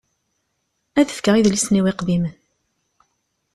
Ad fkeɣ idlisen-iw iqdimen.